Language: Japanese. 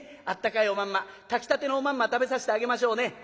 あったかいおまんま炊きたてのおまんま食べさせてあげましょうね」。